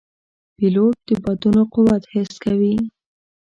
پیلوټ د بادونو قوت حس کوي.